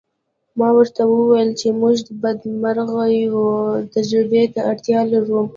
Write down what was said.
ما ورته وویل چې موږ د بدمرغیو تجربې ته اړتیا لرو